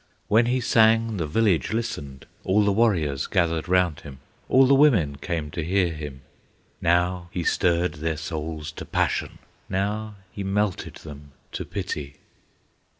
When he sang, the village listened; All the warriors gathered round him, All the women came to hear him; Now he stirred their souls to passion, Now he melted them to pity.